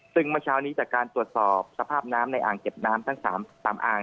ซึ่งเมื่อเช้านี้จากการตรวจสอบสภาพน้ำในอ่างเก็บน้ำทั้ง๓อ่าง